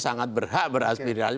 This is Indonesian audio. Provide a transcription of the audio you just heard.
sangat berhak beraspirasi